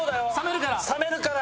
冷めるから。